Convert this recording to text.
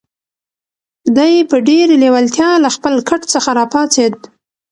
دی په ډېرې لېوالتیا له خپل کټ څخه را پاڅېد.